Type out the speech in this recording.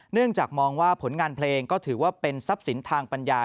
เนื่องจากมองว่าผลงานเพลงก็ถือว่าเป็นทรัพย์สินทางปัญญา